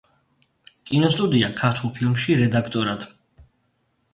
კინოსტუდია „ქართულ ფილმში“ რედაქტორად.